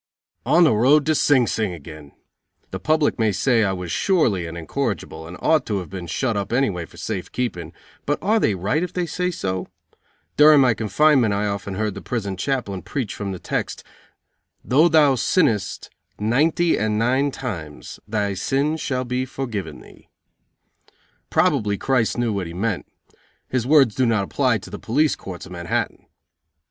_ On the road to Sing Sing again! The public may say I was surely an incorrigible and ought to have been shut up anyway for safe keeping, but are they right if they say so? During my confinement I often heard the prison chaplain preach from the text "Though thou sinnest ninety and nine times thy sin shall be forgiven thee." Probably Christ knew what He meant: His words do not apply to the police courts of Manhattan.